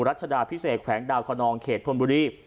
รัชดาพิเศษแขวงดาวคนนองเขตธนบุรี